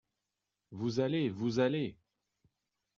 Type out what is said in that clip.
Vous allez ! vous allez !